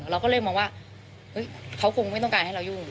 เราก็เลยมองว่าเขาคงไม่ต้องการให้เรายุ่ง